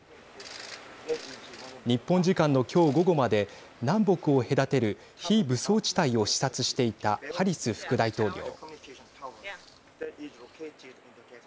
日本時間の今日午後まで南北を隔てる非武装地帯を視察していたハリス副大統領。